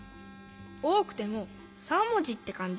おおくても３もじってかんじ？